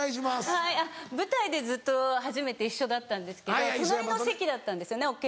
はい舞台でずっと初めて一緒だったんですけど隣の席だったんですよね